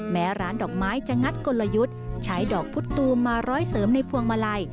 แม้ร้านดอกไม้จะงัดกลยุทธ์ใช้ดอกพุทธตูมมาร้อยเสริมในพวงมาลัย